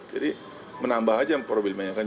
jadi menambah aja yang problemnya kan